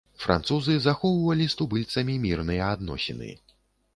Французы захоўвалі з тубыльцамі мірныя адносіны.